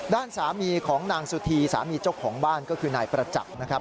ด้านสามีของนางสุธีสามีเจ้าของบ้านก็คือนายประจักษ์นะครับ